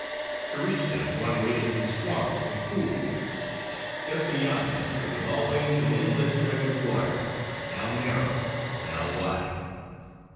To reach them one waded through swamps and pools. Just beyond them there was always the moonlit stretch of water, now narrow, now wide.